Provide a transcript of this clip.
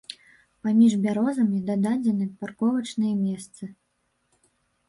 Паміж бярозамі дададзены парковачныя месцы.